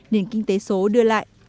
nền kinh tế số đưa lại